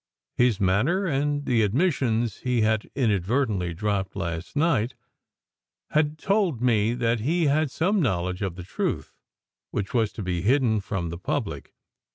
His manner, and the admissions he had inadvertently dropped last night, had told me that he had some knowledge of the truth, which was to be hidden from the public.